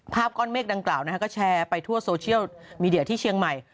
ก้อนเมฆดังกล่าวก็แชร์ไปทั่วโซเชียลมีเดียที่เชียงใหม่